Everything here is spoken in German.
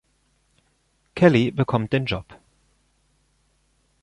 Kelly bekommt den Job.